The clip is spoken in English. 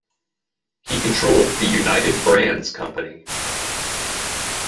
He controlled the United Brands Company.